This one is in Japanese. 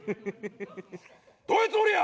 どういうつもりや！